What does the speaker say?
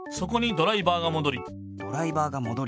ドライバーがもどり。